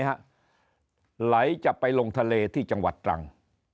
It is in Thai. ไหลจะไปลงทะเลที่จังหวัดตรัง